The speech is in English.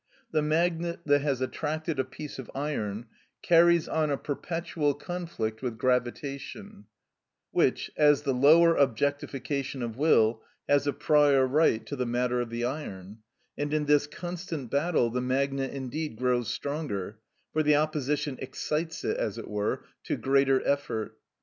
The magnet that has attracted a piece of iron carries on a perpetual conflict with gravitation, which, as the lower objectification of will, has a prior right to the matter of the iron; and in this constant battle the magnet indeed grows stronger, for the opposition excites it, as it were, to greater effort.